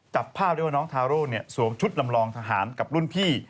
จับภาพได้ว่าน้องทาโร่สวมชุดลำลองทหารกับรุ่นพี่